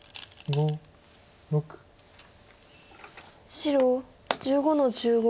白１５の十五。